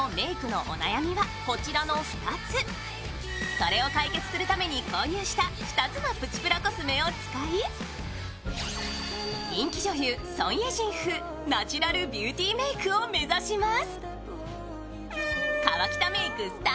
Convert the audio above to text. それを解決するために購入した２つのプチプラコスメを使い、人気女優ソン・イェジン風ナチュラルビューティーメイクを目指します。